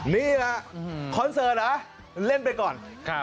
นี่แหละคอนเสิร์ตเหรอเล่นไปก่อน